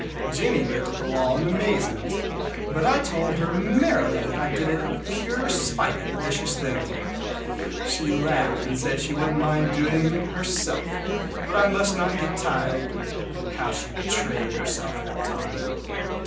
Jennie looked at the wall in amazement, but I told her merrily that I did it out of pure spite at the vicious thing. She laughed and said she wouldn't mind doing it herself, but I must not get tired. How she betrayed herself that time!